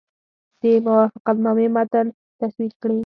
د موافقتنامې متن تسوید کړي.